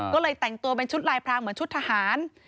ก็เลยแต่งตัวเป็นชุดลายพรางเหมือนชุดทหาร